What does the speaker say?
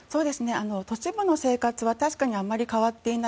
都市部の生活は確かにあまり変わっていない。